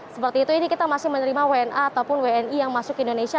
seperti itu ini kita masih menerima wna ataupun wni yang masuk ke indonesia